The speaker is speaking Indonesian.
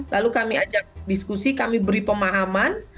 lalu kami ajak diskusi kami beri pemahaman